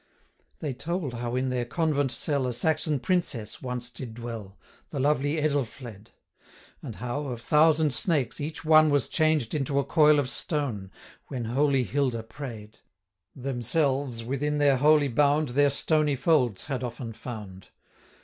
They told how in their convent cell A Saxon princess once did dwell, The lovely Edelfled; And how, of thousand snakes, each one 245 Was changed into a coil of stone, When holy Hilda pray'd; Themselves, within their holy bound, Their stony folds had often found.